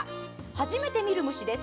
初めて見る虫です。